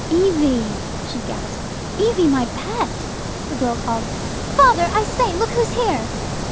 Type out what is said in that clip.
"Evie!" she gasped. "Evie, my pet " The girl called, "Father! I say! look who's here."